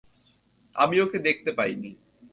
আমি ওকে দেখতে পাইনি।